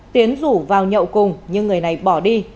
tiến rủ vào nhậu cùng nhưng người này bỏ đi